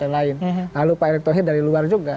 lalu pak eriktohir dari luar juga